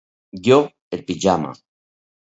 Jo, el pijama.